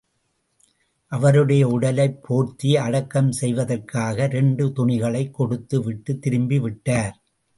அவருடைய உடலைப் போர்த்தி அடக்கம் செய்வதற்காக இரண்டு துணிகளைக் கொடுத்து விட்டுத் திரும்பி விட்டார்.